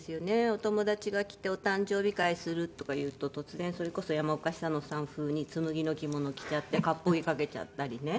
お友達が来てお誕生日会するとかいうと突然それこそ山岡久乃さん風に紬の着物着ちゃって割烹着かけちゃったりね。